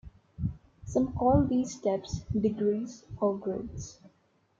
Some call these steps degrees or grades.